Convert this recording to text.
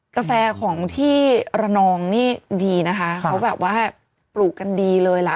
กาแฟของที่ระนองนี่ดีนะคะเขาแบบว่าปลูกกันดีเลยล่ะ